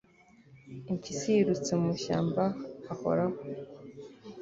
Impyisi yirutse mu mashyamba ahoraho,